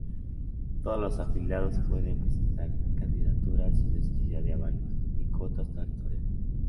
Todos los afiliados pueden presentar candidaturas sin necesidad de avales, ni cuotas territoriales.